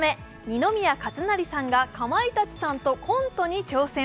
二宮和也さんが、かまいたちさんとコントに挑戦。